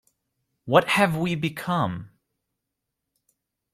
What have we become?